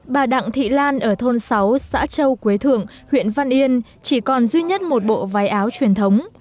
bà đặng thị lan ở thôn sáu xã châu quế thượng huyện văn yên chỉ còn duy nhất một bộ váy áo truyền thống